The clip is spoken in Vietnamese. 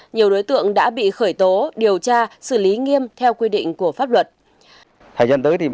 nhiều đối tượng đã bị khởi tố điều tra xử lý nghiêm theo quy định của pháp luật